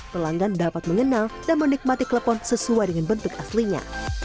pelanggan dapat mengenal dan menikmati klepon sesuai dengan bentuk aslinya